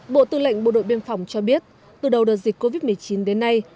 bộ tư lệnh bộ đội biên phòng cho biết từ đầu đợt dịch covid một mươi chín đến nay